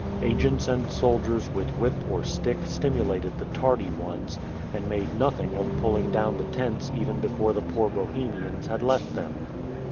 Agents and soldiers with whip or stick stimulated the tardy ones, and made nothing of pulling down the tents even before the poor Bohemians had left them.